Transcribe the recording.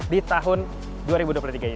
di tahun dua ribu dua puluh tiga ini